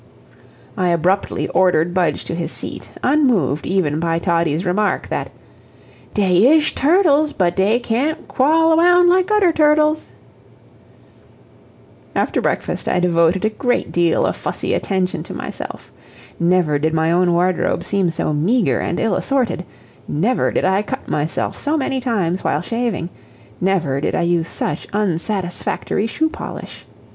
I abruptly ordered Budge to his seat, unmoved even by Toddie's remark, that "Dey ish turtles, but dey can't knawl awound like udder turtles." After breakfast I devoted a great deal of fussy attention to myself. Never did my own wardrobe seem so meager and ill assorted; never did I cut myself so many times while shaving; never did I use such unsatisfactory shoe polish.